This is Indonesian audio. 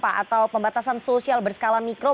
atau pembatasan sosial berskala mikro